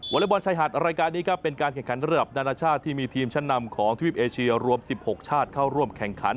เล็กบอลชายหาดรายการนี้ครับเป็นการแข่งขันระดับนานาชาติที่มีทีมชั้นนำของทวีปเอเชียรวม๑๖ชาติเข้าร่วมแข่งขัน